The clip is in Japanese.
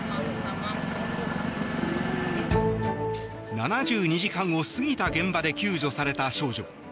７２時間を過ぎた現場で救助された少女。